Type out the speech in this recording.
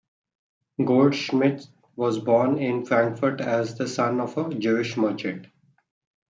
Goldschmidt was born in Frankfurt as the son of a Jewish merchant.